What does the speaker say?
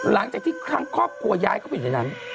หลังจากที่ครั้งครอบครัวย้ายเข้าไปอยู่ในนั้น